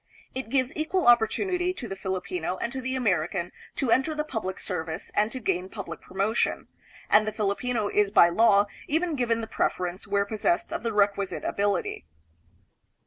It gives equal opportunity to the Filipino and to the American to enter the public service and to gain public promotion; and the Filipino is by law even given the preference where possessed of the requisite ability.